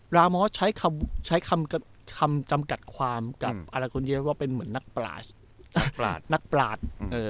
ลาม้อใช้คำจำกัดความกับอรักษณ์เย็นว่าเป็นเหมือนนักปราช